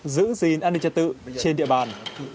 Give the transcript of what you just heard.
giữ gìn an ninh trật tự trên địa bàn